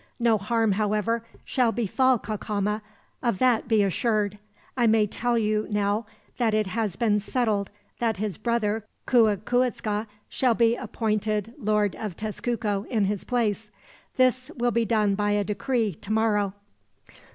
No harm, however, shall befall Cacama, of that be assured. I may tell you, now, that it has been settled that his brother Cuicuitzca shall be appointed Lord of Tezcuco in his place. This will be done by a decree, tomorrow."